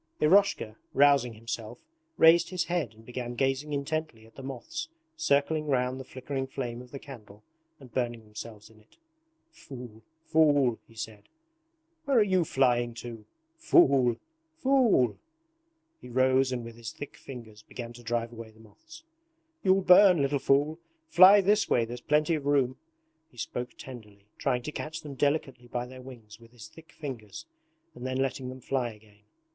Eroshka, rousing himself, raised his head and began gazing intently at the moths circling round the flickering flame of the candle and burning themselves in it. 'Fool, fool!' he said. 'Where are you flying to? Fool, fool!' He rose and with his thick fingers began to drive away the moths. 'You'll burn, little fool! Fly this way, there's plenty of room.' He spoke tenderly, trying to catch them delicately by their wings with his thick fingers and then letting them fly again.